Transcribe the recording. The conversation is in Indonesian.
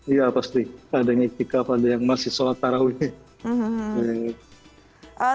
iya pasti ada yang ikhtikaf ada yang masih sholat tarawih